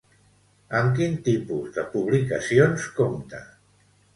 Amb quins tipus de publicacions compta?